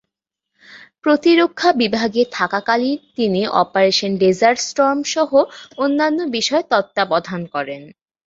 প্রতিরক্ষা বিভাগে থাকাকালীন তিনি অপারেশন ডেজার্ট স্টর্ম-সহ অন্যান্য বিষয় তত্ত্বাবধান করেন।